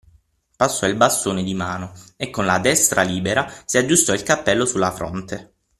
Passò il bastone di mano e con la destra libera si aggiustò il cappello sulla fronte.